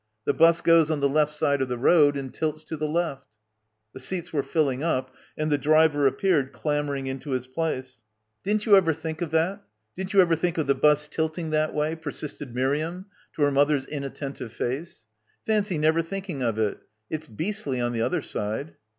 The bus goes on the left side of the road and tilts to the left." The seats were filling up and the driver ap peared clambering into his place. "Didn't you ever think of that? Didn't you ever think of the bus tilting that way?" per sisted Miriam to her mother's inattentive face. "Fancy never thinking of it. It's beastly on the other side."